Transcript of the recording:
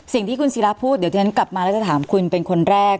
สิ่งที่คุณศิราพูดเดี๋ยวที่ฉันกลับมาแล้วจะถามคุณเป็นคนแรก